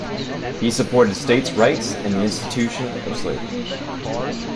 He supported states' rights and the institution of slavery.